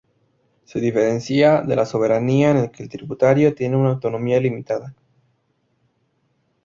Se diferencia de la soberanía en que el tributario tiene una autonomía limitada.